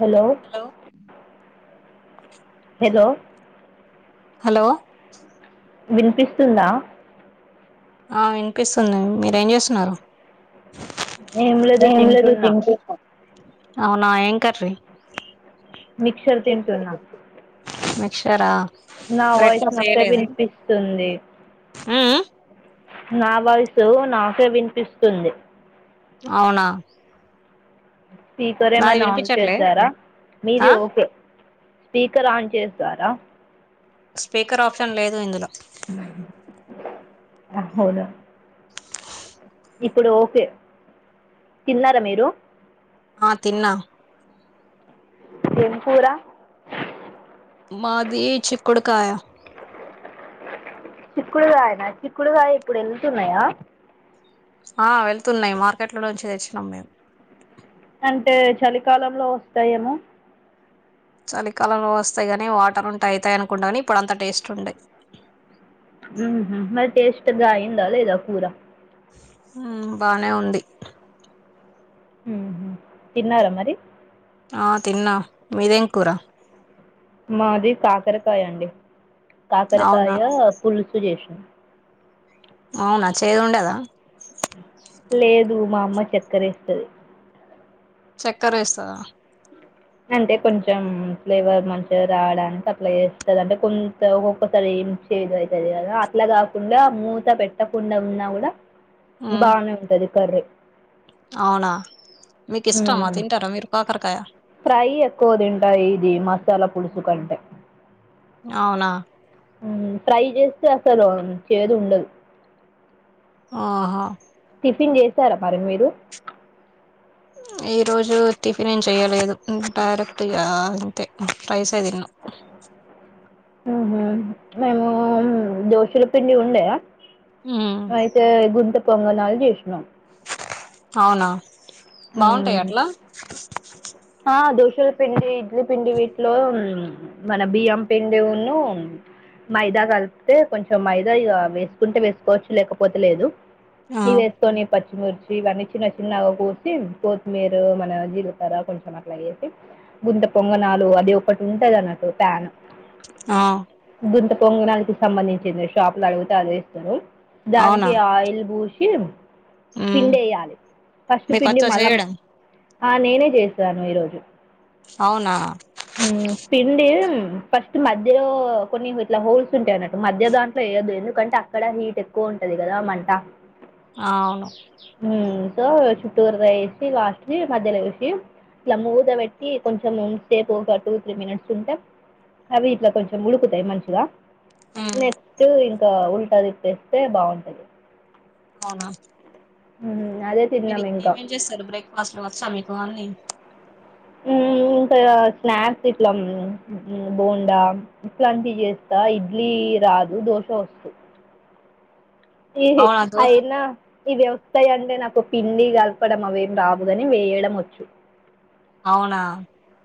Hello hello hello వినిపిస్తుందా ఆ వినిపిస్తుంది మీరు ఏం చేస్తున్నారు ఏం లేదు తింటున్న అవునా ఏం కర్రీ మిక్చర్ తింటున్న మిక్చరా నా బ్రెడ్ వాయిస్ చప్ [unintelligible] వినిపిస్తుంది హు నా వాయసు నాకే వినిపిస్తుంది అవున స్పీకర్ ఏమైన ఆన్ వినిపించట్లే చేశారా మీది ఆ ఒకే స్పీకర్ ఆన్ చేసర స్పీకర్ ఆప్షన్ లేదు ఇందులో [inaudible] ఇప్పుడు ఒకే తిన్నారా మీరు ఆ తిన్న ఎం కూర మాది చిక్కుడు కాయ చిక్కుడుకాయనా చిక్కుడుకాయ ఇప్పుడు వెళ్తున్నాయా ఆ వెళ్తున్నాయి మార్కెట్ లోనుంచి తెచ్చినాం మేము అంటే చలికాలంలో వస్తాయేమో చలికాలంలో వస్తాయి కానీ వాటర్ ఉంటే అవుతాయి అనుకుంటా కానీ ఇప్పుడు అంత టేస్ట్ ఉండే మరి టేస్ట్గాంగ అయ్యిందా లేద కూర బానే ఉంది తిన్నార మరి ఆ తిన్నా మీదేం కూర మాది కాకరకాయ అండి అవునా కాకరకాయ పులుసు చేసు అవునా చేదు ఉండద లేదు మా అమ్మ చక్కర ఎస్తది చక్కర ఎస్తదా అంటే కొంచెం ఫ్లేవర్ మంచిగా రావడానికి సప్లై చేస్తుంది అంటే కొంత ఒక్కొక్కసారి ద అవుతుంది కదా అట్లా కాకుండా మూత పెట్టకుండా ఉన్నా కూడా ఉమ్ బానే ఉంటది కర్రీ అవునా మీకు ఇష్టమా తింటారా మీరు కాకరకాయ ఫ్రై ఎక్కువ తింటా ఇది మసాలా పులుసు కంటే అవున ట్రై చేస్త అసలు చేదు ఉండదు ఆహా టిఫిన్ చేసర మరి మీరు ఈ రోజు టిఫిన్ ఏం చెయలేదు డైరెక్ట్గా అంతే రైస్ తిన్నాం మేము దోషుల పిండి ఉండే ఉమ్ అయితే గుంత పొంగనాలు చేసిన అవునా బాగుంటాయ హ్మ్. అట్ల దోశల పిండి ఇడ్లి పిండి వీటిలో మన బియ్యం పిండి ఉన్న మైదా కలిపితే కొంచెం మైదా ఇ వేసుకుంటే వేసుకోవచ్చు లేకపోతే లేదు [unintelligible] ఆ [unintelligible] ఇవన్నీ చిన్న చిన్నగా కూర్సి కొత్తిమీర మన జీలకర్ర కొంచె అట్ల చేసి గుంత పొంగనాలు అది ఒకటి ఉంటది [unintelligible] ప్యాన్ ఆ గుంత పొంగనాలికి సంబంధించింది షాపులు అడిగితే ఆదిస్తరు అవునా దానికి ఆయిల్ బూ ఉమ్ పిండి వేయాలి ఫస్ట్ మీకు పిండి వచ్చా మల చేయడం నేనే చేస్ ఈ రోజు అవునా పిండి ఫస్ట్ మధ్యలో కొన్ని ఇట్ల హోల్స్ ఉంటాయి అన్నట్టు మధ్య దాంట్లో ఏదు ఎందుకంటే అక్కడ హీట్ ఎక్కువ ఉంటది కదా మంట ఆ అవును చుట్టూరు వేసి లాస్ట్ మధ్యలో వేసి ఇట్లా మూద పెట్టి కొంచెం హోమ్ స్టే పోగా టూ త్రీ మినిట్స్ ఉంటే అవి ఇట్లా కొంచెం ఉడుకుతాయి మంచిగా ఉమ్ నెక్స్ట్ ఇంక ఉల్టా తిప్పేస్తే బాగుంటది అవునా ఉ మీరుంక ఏమేం చేస్తారు బ్రేక్ఫాస్ట్ లో వచ్చా మీకు అన్ని ఇంక స్నాక్స్ ఇట్ల బోండా ఇట్లాంటివి చేస్త ఇడ్లీ రాదు దోశ ఒసు ఈ అవునా దోశ అయిన ఈ వస్తాయి అండి నాకు పిండి కలపడం అవేం రావుగాని వేయడం ఒచ్చు అవునా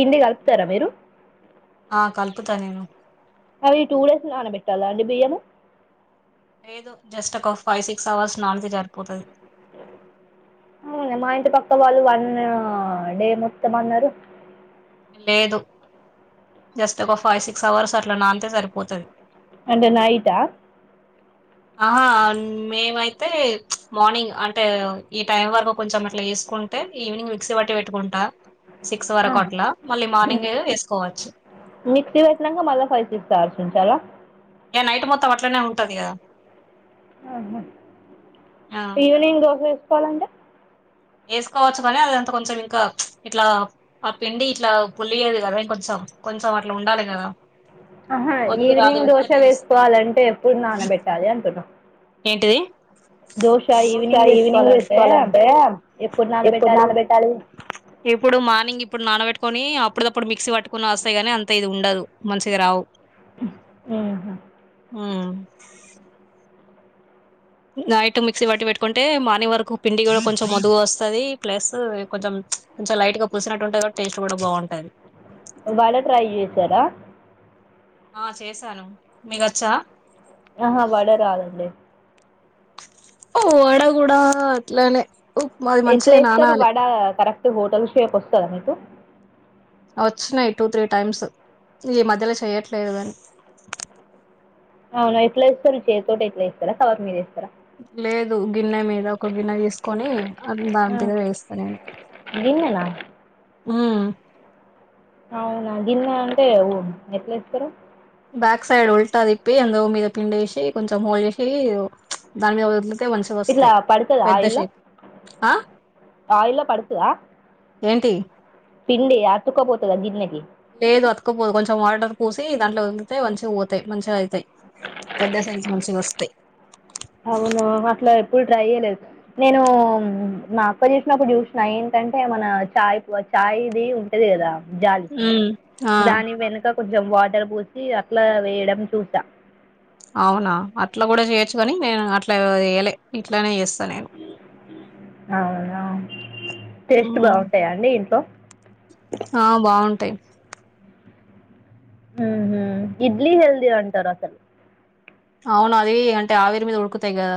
పిండి కలుపుతార మీరు ఆ కల్పుత నేను అ టూ డేస్ నాన పెట్టాలా అండి బియ్యము లేదు జస్ట్ ఒక ఫైవ్ సిక్స్ అవర్స్ నానితే సరిపోతది అ మా ఇంటి పక్క వాళ్ళు వన్ డే మొత్తం అన్నారు లేదు జస్ట్ ఒక ఫైవ్ సిక్స్ అవర్స్ అట్ల నాంతే సరిపోతుంది అంటే నైట ఆహా మేమైతే మార్నింగ్ అంటే ఈ టైం వరకు కొంచెం ఇట్ల [unintelligible] అంటే ఈవినింగ్ మిక్సీ పట్టి పెట్టుకుంటా సిక్స్ వరుకు అట్ల మిక్స్సి వేసినక మల్ల ఫైవ్ సిక్స్ అవర్స్ ఉంచాల ఇక నైట్ మొత్తం అట్లనే ఉంటది కదా ఆహా ఈవినింగ్ దోశ వేసుకోవాలంటే వేసుకోవచ్చు కానీ అదంత కొంచెం ఇంకా ఇట్లా ఆ పిండి ఇట్లా పుల్లియది [unintelligible] కొంచం కొంచెం అట్ల ఉండాలి కదా ఆహా ఈవినింగ్ దోశ వేసుకోవాలంటే ఎప్పుడు నానబెట్టాలి అంటున్న ఏంటిది దోస ఈవినింగ్ వేసుకోవాలంటే ఎప్పుడు నానబెట్టాలి ఇప్పుడు మార్నింగ్ ఇ ఇప్పుడు నానబెట్టుకొని అప్పుడప్పుడు మిక్సీ పట్టుకుని వస్తాయి గాని అంత ఇది ఉండదు మంచిగ రావు ఆహా ఆ నైట్ మిక్సీ బట్టి పెట్టుకుంటే మార్నింగ్ వరకు పిండి కూడ కొంచెం [unintelligible] వస్తుంది ప్లస్ కొంచెం కొంచెం లైట్ గా పూసినట్టు ఉంటే టేస్ట్ కూడ బాగుంటది [unintelligible] ట్రై చేసార ఆ చేశాను మీగచ్చ ఆహా వడ రాదండి ఓ వడ కూడ అట్లనే అది ఎట్ల మంచిగా ఎస్తారు నానాలి వడ కరెక్ట్ హోటల్స్ షేప్ వస్తంద మీకు వచ్చినాయి టూ త్రీ టైమ్స్ ఈ మధ్యలో చెయ్యట్లేదు గాని అవును ఎట్ల ఇస్తారు చేతితోట ఎట్లా ఇస్తార కవర్ మీద వేస్తారా లేదు గిన్నె మీద ఒక గిన్నె తీసుకొని ఆ, దాని మీద వేస్తా నేను [unintelligible] ఆ అవున గిన్న అంటే ఎట్ల ఎస్తరు బ్యాక్ సైడ్ ఉల్ట తిప్పి అందు మీద పిండి వేసి కొంచెం ఆయిల్ చేసి దాని మీద వ [unintelligible] ఇట్లా వస్తాయి పడుతుందా పెద్ద ఆయిల్లో షేప్ ఆయిల్లో ఏంటి పిండడి ఆ తుకోబోతుదా గిన్నెకి లేదు అతుకుపోదు కొంచెం వాటర్ పూసి దాంట్లో వెదితే మంచిగ పోతాయి మంచిగా అయితాయి పెద్ద సైస్ మంచిగ వస్తాయి అవును అట్ల ఎప్పుడు ట్రై చేయలేదు నేను మా అక్క చూసినప్పుడు చూసిన ఏంట ఎంటే మన చాయ్ ప చాయ్ది ఉంటది కదా జాలి ఉమ్ ఆ దాని వెనుక కొ వాటర్ పోసి అట్ల వేయడం చూస అవునా అట్లా కూడా చేయొచ్చు కాని నేను అట్లా చేయలే ఇట్లానే చేస్తా నేను అవునా టేస్ట్ ఉమ్ బాగుంటాయా అండి ఇంట్లో ఆ బాగుంటాయి మ్మహు ఇడ్లీ హల్ది అంటారు అసలు అవును అది అంటే ఆవిరి మీద ఉడుకుతాయి కదా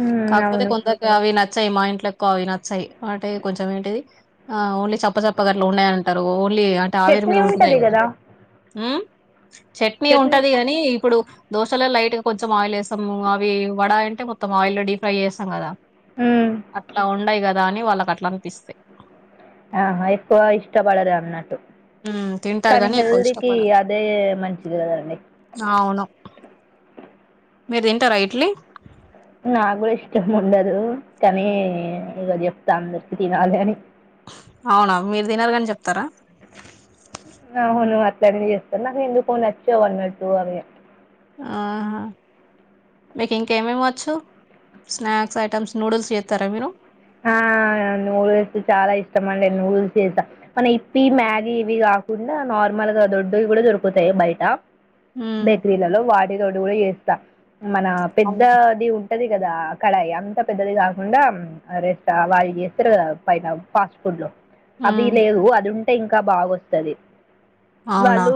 మ్మ్, కాకపోతే అవును కొందక అవి నచ్చ నచ్చాయి మా ఇంట్లో ఎక్కువ అవి నచ్చాయి అంటే కొంచెం ఏంటిది ఆ ఓన్లీ చప్పచప్ప గట్లు ఉన్నాయంటారు ఓన్లీ అంట ఆవేరు చట్నీ మీద ఉడుకుతాయి ఉంటుంది కదా మ్మ్ చట్నీ ఉంటది కాని ఇప్పుడు దోశలో లైట్ గా కొంచెం ఆయిల్ వేస్తాము అవి వడ అంటే మొత్తం ఆయిల్లో డీప్ ఫ్రై చేస్తాం కదా మ్మ్. అట్లా ఉండయి కదా అని వాళ్ళకి అట్లా అనిపిస్తేయి ఆహా ఎక్కువ ఇష్టపడరు అన్నాట్టు ఉమ్ తింటారు కానీ గాని ఎక్కువ హెల్తీకి ఇష్టపడరు అదే మంచిది కదండి అవును మీరు తింటారా ఇడ్లీ నా కూడా ఇష్టం ఉండదు కానీ ఇక చెప్తా అందరికి తినాలి అని అవునా మీరు తినరు కాని చెప్తారా ట్లన్ని చేస్తాను నాకు ఎందుకో నచ్చా అ నచ్చావాన్నట్టు అవి ఆహా మీకు ఇంకేమి ఇవ్వచ్చు స్నాక్స్ ఐటమ్స్ నూడిల్స్ చేస్తారా మీరు ఆ నూడిల్స్ చాలా ఇష్టం అండి నూడుల్స్ చేసా మన ఇప్ప మ్యాగీ ఇవి కా కాకుండా నార్మల్గా దొడ్డువి కూడా దొరుకుతాయి బయట ఉమ్ బేకరీలలో వాటితోటి కూడా చేస్తా మన అవును. పెద్దది ఉ ఉంటది కదా కడయ్ అంత పెద్దది కాకుండా రెస్ వాళ్ళు చేస్తారు కదా పైన ఫాస్ట్ ఫుడ్ లో అవి ఉమ్ లేవు అది ఉంటే ఇంకా బాగొస్తుది అవునా వాళ్ళు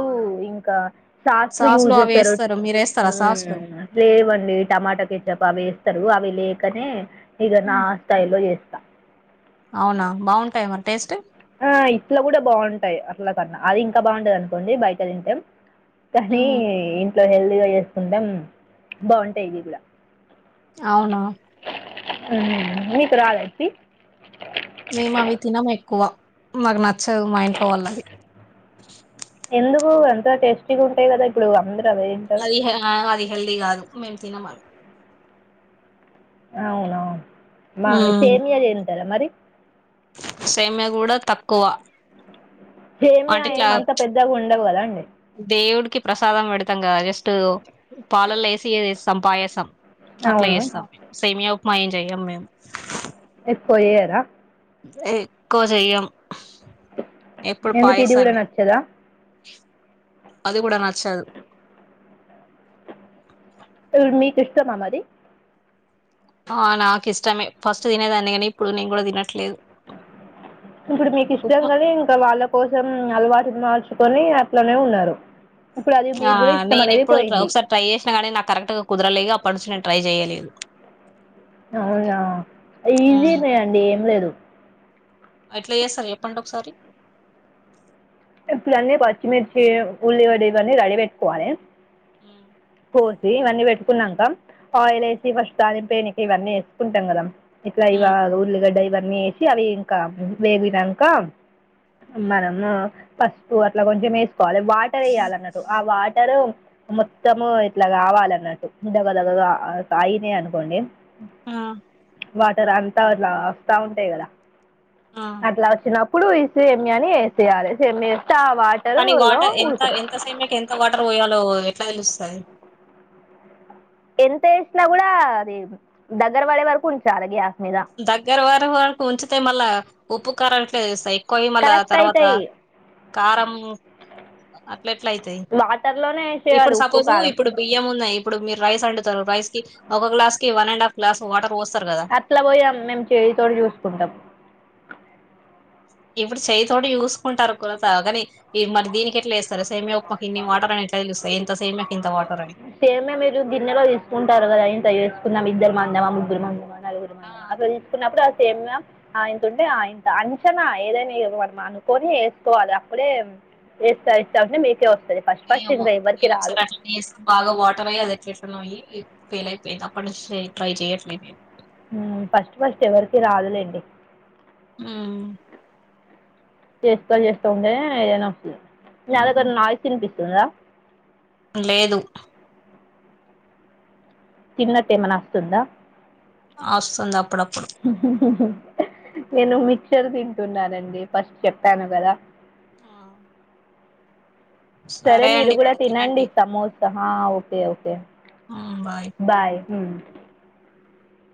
ఇంకా సాస్లు యూజ్ అవి చేస్తారు వేస్తారు మీరు వేస్తారా సాస్లు లేవండి టమాటాకిచ్చప్ప అవి స్తారు అవి లేకనే ఇగ నా ఉమ్, స్టైల్లో చేస్తా అవునా బాగుంటాయి మరి టేస్ట్ ఆ ఇట్లా కూడా బాగుంటాయి అట్లా కన్నా అది ఇంకా బాగుంటది అనుకోండి బయట తింటే కానీ ఉమ్ ఇంట్లో హెల్తీగా చేసుకుంటె బాగుంటాయి ఇట్లా అవునా మ్మ్ మీకు రాదా ఇప్పీ మేము అవి తినము ఎక్కువ మాకు నచ్చదు మా ఇంట్లో వాళ్ళది అందుకు అంత టేస్టీ గా ఉంటాయి కదా ఇప్పుడు అంద అది అది హెల్దీ కాదు మేము తినమ అవున మా సేమియా చేంతార మరి సేమ్యా కూడా తక్కువ సేమ్య అంటే ఏమ ఇట్లా అంతా పెద్దగా ఉండవు కదా అండి కి ప్రసాదం పెడతాం కదా జస్ట్ పాలల్లో వేసిస్తం పాయసం అట్లా అవును చేస్తాం సేమియా ఉప్మా ఏం చెయ్యం మేము ఎకువ జెయరా ఎకువ చెయం ఎప్పుడు ఎందుకు ఇది కూడా పయసమే నచ్చదా అదికూడా నచ్చదు ఇప్పుడు మీకు ఇష్టమా మరి ఆ నాకు ఇష్టమే ఫస్ట్ తినేదానికని ఇప్పుడు నేను కూడా తినట్లేదు ఇప్పుడు మీకు ఇష్టం ఉప్మా నీ ఇంకా వాళ్ళ కోసం అలవాటువాల్ కొని అట్లోనే ఉన్నారు ఇప్పుడు అది ఆ మీకు కూడా ఇష్టం నేను అనేది ఎప్పుడు పోయింది ఒకసారి ట్రై చేసినా గానీ నాకు కరెక్ట్ గా కుదరలేదు అప్పటి నుంచి నేను ట్రై చెయలేదు అవునా హ్మ్. ఈజీనే అండి ఏం లేదు ఎట్లా జెస్తాం చెప్పండి ఒకసారి ఇప్పుడన్ని పచ్చిమిర్చి ఉల్లిగడ్డ ఇవన్నీ రెడీ గ పెట్టకువాలె మ్మ్ పోసి ఇవన్నీ పెట్టుకున్నాంక ఆయిల్ వేసి ఫస్ట్ తాలింనక ఇవన్నీ వేసుకుంటాం కదా ఇట్లా ఇవ హ్మ్. ఉల్లిగడ్డ ఇవన్నీ వేసి అవి ఇంకా వేగినంక హ్మ్. మనము ఫస్ట్ అట్లా కొంచెం వేసుకోవాలి వాటర్ వేయాలిన్నట్టు ఆ వాటర్ మొత్తము ఇట్లా కావాలన్నట్టు దగదగగగా కాగినాయి అనుకోండి ఆ వాటర్ అంతా అట్లా వస్తా ఉంటాయి కదా ఆ! అట్లా వచ్చిన ఇప్పుడు ఇ సేమ్యాని వేసేయాలి సమ్ కానీ వాటర్ ఎంత ఎంత సేమ్యాకి ఎంత వాటర్ పోయాలో ఎట్లా తెలుస్తాది ఎంత ఏసినా కూడా అది దగ్గర పడే వరకు ఉంచలే గ్యాస్ మీద దగ్గర పడే వరకు ఉంచితే మళ్ళా ఉప్పుకారట్లే సై కొయ్యిమల కరెక్ట్ తర్వాత అవుతాయి కారం అట్లేట్లయితయ్ వాటర్లోనే వేసేయాలి ఇప్పుడు ఉప్పు సపోజు కారం ఇప్పుడు బియ్యం ఉన్నాయి ఇప్పుడు మీరు రైస్ అండుతారు రైస్ కి ఒక గ్లా కి one and half glass water పోస్తారు కదా అట్లా పోయాం మేము చేయితోటి చూసుకుంటాం ఇప్పుడు చేయ్యతోటి చూసుకుంటారు కురతగాని మరి దీనికి ఎట్లా వేస్తారు సేమియా ఉప్మాకి ఇన్ని వాటర్ అని ఎట్లా తెలుస్తాయి ఇంత సేమియాకి ఇంత వాటర్ అని సేమ్యా మీరు గిన్నెలో తీసుకుంటారు కదా ఇంత ఏసీ కున్నాం ఇద్దరు మందమ్మా ముగ్గురు మందమా నలుగురు ఆ మందమా అట్ల తీుకున్నప్పుడు మ్ ఆయంతంటే ఆయంత అంచనా ఏదైనా మనం అనుకొని వేసుకోవాలి అప్పుడే ఎస్తా ఎస్తా ఉంటే మీకే ఓస్ ఏమో ఒకసారి అట్లానేేస్తే బాగా వాటర్ అయ్య అది ఎట్లెట్లనో అయ్యి ఫెల్ అయిపోయింది అప్పట్నుంచి ట్రై చేయట్ మ్మ్ ఫస్ట్ ఫస్ట్ ఎవరికి రాదులేండి మ్మ్ చేస్త చేస్తా ఉంటే ఏదైనా వస్తుంది న దగ్గర నాయిస్ ఇన్పిస్త్ స్తుందా లేదు తిన్నట్టేమనాస్తుందా వస్తుంది అప్పుడప్పుడు నేను మిక్చర్ తింటున్నానండి ఫస్ట్ చెప్పాను కదా ఆ సరే మీరు కూడా తినండి సమోసా హా ఓకే ఓకే మ్మ్ బాయ్ మ్మ్